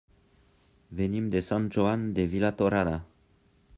Venim de Sant Joan de Vilatorrada.